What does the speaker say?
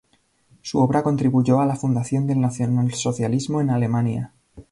Su obra contribuyó a la fundación del nacionalsocialismo en Alemania.